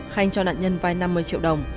khanh cho nạn nhân vai năm mươi triệu đồng